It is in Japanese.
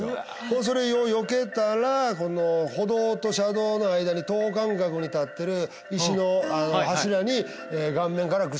それをよけたら歩道と車道の間に等間隔に立ってる。